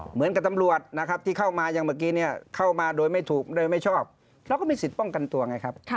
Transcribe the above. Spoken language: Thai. เหมือนกับตำรวจนะครับที่เข้ามาอย่างเมื่อกี้เนี่ยเข้ามาโดยไม่ถูกโดยไม่ชอบเราก็มีสิทธิ์ป้องกันตัวไงครับ